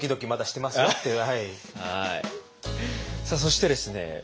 さあそしてですね